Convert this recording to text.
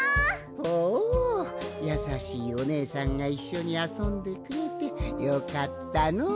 ほうやさしいおねえさんがいっしょにあそんでくれてよかったのう。